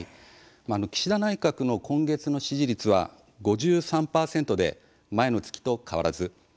岸田内閣の今月の支持率は５３％で前の月と変わらず。